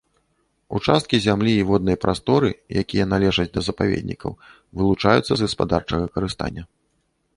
Участкі зямлі і воднай прасторы, якія належаць да запаведнікаў, вылучаюцца з гаспадарчага карыстання.